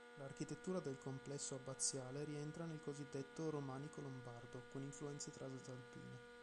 L'architettura del complesso abbaziale rientra nel cosiddetto "romanico lombardo" con influenze transalpine.